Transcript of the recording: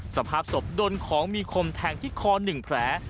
สภาพศพโดนของมีคมแทงที่คอ๑แผล